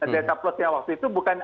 delta plus yang waktu itu bukan